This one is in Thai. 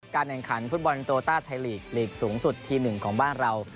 การแนนขันฟุตบอลในโต๊ตาไทยหลีกสูงสุดทีมหนึ่งของบ้านเรา